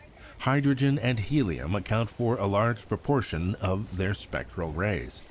Hydrogen and helium account for a large proportion of their spectral rays.